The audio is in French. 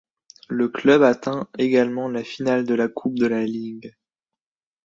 Le club atteint également la finale de la Coupe de la Ligue.